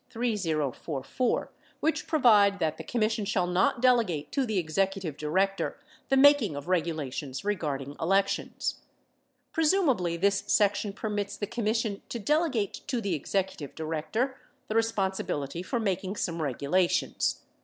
3044 which provide that the Commission shall not delegate to the executive director the making of regulations regarding elections. Presumably, this section permits the Commission to delegate to the executive director the responsibility for making some regulations.